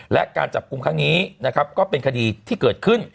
และการจับกลุ่มครั้งนี้นะครับก็เป็นคดีที่เกิดขึ้น